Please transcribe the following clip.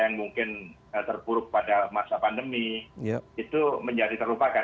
yang mungkin terpuruk pada masa pandemi itu menjadi terlupakan